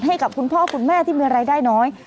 ให้กับคุณพ่อคุณแม่ที่มีรายได้น้อย